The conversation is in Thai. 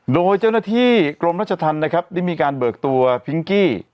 โดยเจ้าหน้าที่กรมรัชธรรมนะครับได้มีการเบิกตัวพิงกี้